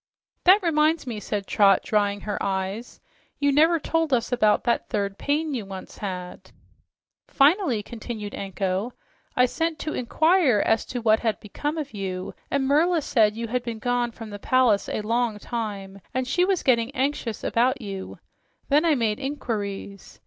"That reminds me," said Trot, drying her eyes, "you never told us about that third pain you once had." "Finally," continued Anko, "I sent to inquire as to what had become of you, and Merla said you had been gone from the palace a long time and she was getting anxious about you. Then I made inquiries.